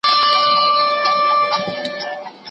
خپل وخت په ناسم ځای کي مه ضايع کوه.